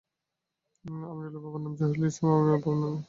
আমিরুলের বাবার নাম জহিরুল ইসলাম এবং আমিনুলের বাবার নাম এজাহার মোল্লা।